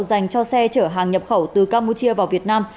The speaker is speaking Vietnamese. dành cho xe chở hàng nhập khẩu từ campuchia vào việt nam